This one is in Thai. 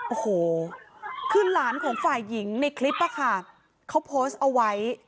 โอ้โหคือหลานของฝ่ายหญิงในคลิปอะค่ะเขาโพสต์เอาไว้